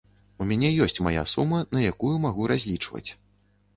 У мяне ёсць мая сума, на якую магу разлічваць.